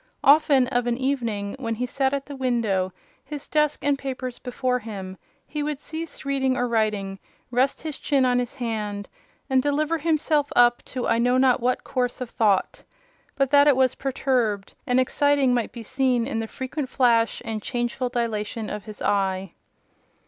Often, of an evening, when he sat at the window, his desk and papers before him, he would cease reading or writing, rest his chin on his hand, and deliver himself up to I know not what course of thought; but that it was perturbed and exciting might be seen in the frequent flash and changeful dilation of his eye.